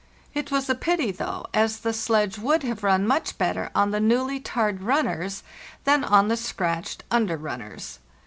It was a pity, though, as the sledge would have run much better on the newly tarred runners than on the scratched under runners.